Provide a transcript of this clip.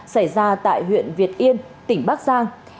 xảy ra tại huyện việt yên tỉnh bắc giang